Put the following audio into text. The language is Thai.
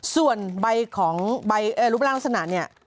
ส่วนใบของลูบล่างลักษณะนี้